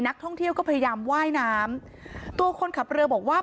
นักท่องเที่ยวก็พยายามไหว้น้ำตัวคนขับเรือบอกว่า